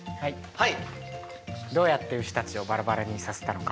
はい。